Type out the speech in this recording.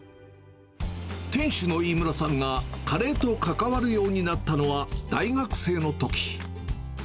店主の飯村さんが、カレーと関わるようになったのは、大学生のとき。